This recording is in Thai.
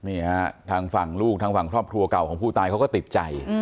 นี่ฮะทางฝั่งลูกทางฝั่งครอบครัวเก่าของผู้ตายเขาก็ติดใจ